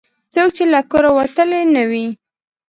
څوک چې له کوره وتلي نه وي.